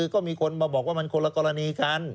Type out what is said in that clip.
ก็มีคนมาบอกว่ามันคนละกรณีกัน